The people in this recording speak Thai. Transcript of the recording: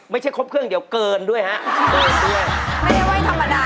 ไม่ใช่ครบเครื่องเดียวเกินด้วยฮะเกิน